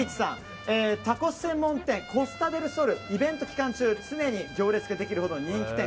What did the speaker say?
タコス専門店コスタデルソルイベント期間中常に行列ができるほど人気店。